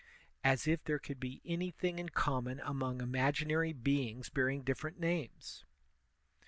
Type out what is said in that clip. As if there could be anything in common among imaginary beings bearing different names!